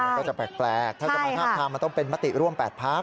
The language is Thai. มันก็จะแปลกถ้าจะมาทาบทามมันต้องเป็นมติร่วม๘พัก